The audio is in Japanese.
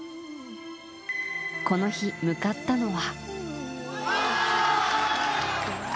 この日、向かったのは。